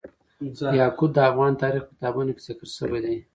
یاقوت د افغان تاریخ په کتابونو کې ذکر شوی دي.